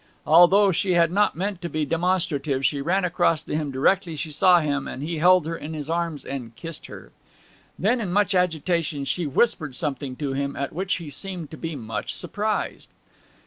Although she had not meant to be demonstrative she ran across to him directly she saw him, and he held her in his arms and kissed her. Then in much agitation she whispered something to him, at which he seemed to be much surprised.